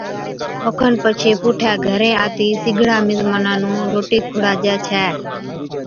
اوکن پڇي پُوٺَي گھرين آتِي سِگڙان مزمانا نُون روٽِي کُڙاجَي ڇَي